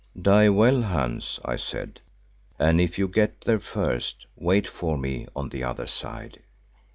"Die well, Hans," I said, "and if you get there first, wait for me on the other side."